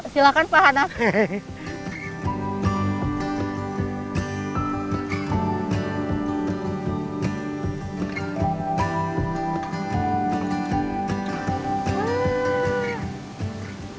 silahkan pak hanafi